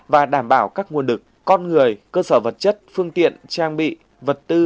và đảm bảo các nguồn lực con người cơ sở vật chất phương tiện trang bị vật tư